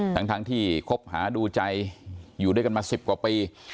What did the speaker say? ทั้งที่คบหาดูใจอยู่ด้วยกันมา๑๐กว่าปี